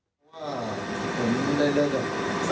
เป็นขุนช่าขุนหย่างที่ช่วงนี้มา๖ปีแล้วค่ะ